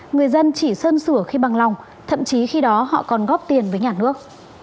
người dân chỉ sơn sửa khi bằng lòng thậm chí khi đó họ còn góp tiền với nhà nước